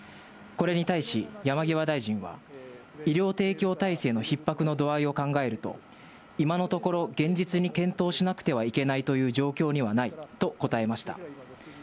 これに対し山際大臣は、医療提供体制のひっ迫の度合いを考えると、今のところ、現実に検討しなくてはいけないという状況にはないと答えました。